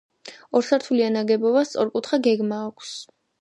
ორსართულიან ნაგებობას სწორკუთხა გეგმა აქვს.